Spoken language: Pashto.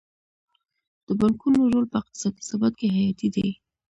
د بانکونو رول په اقتصادي ثبات کې حیاتي دی.